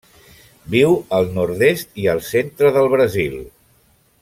Viu al nord-est i el centre del Brasil.